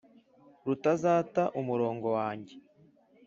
rutazata umurongo wanjye